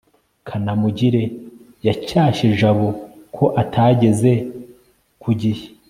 kanamugire yacyashye jabo ko atageze ku gihe